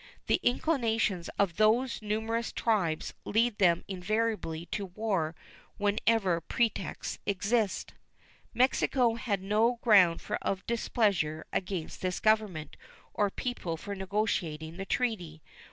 The inclinations of those numerous tribes lead them invariably to war whenever pretexts exist. Mexico had no just ground of displeasure against this Government or people for negotiating the treaty.